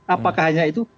apakah hanya itu